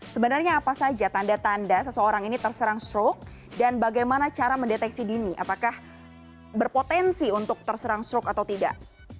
sebenarnya apa saja tanda tanda seseorang ini terserang stroke dan bagaimana cara mendeteksi dini apakah berpotensi untuk terserang stroke atau tidak